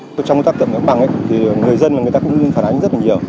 trong công tác chậm giảm bằng thì người dân người ta cũng phản ánh rất là nhiều